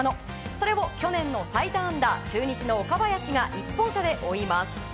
それを去年の最多安打中日の岡林が１本差で追います。